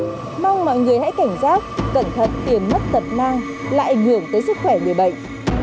tôi mong mọi người hãy cảnh giác cẩn thận tiền mất tật mang lại ảnh hưởng tới sức khỏe người bệnh